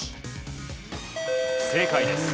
正解です。